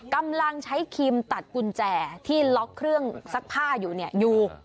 กำลังใช้ครีมตัดกุญแจที่ล็อกเครื่องซักผ้าอยู่เนี่ยอยู่